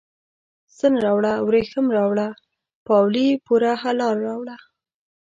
ستن راوړه، وریښم راوړه، پاولي پوره هلال راوړه